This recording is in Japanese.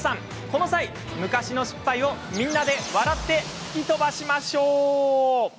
この際、昔の失敗をみんなで笑って吹き飛ばしましょう！